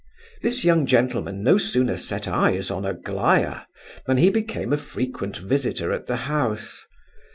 This young gentleman no sooner set eyes on Aglaya than he became a frequent visitor at the house.